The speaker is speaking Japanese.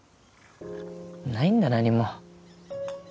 ないんだ何も。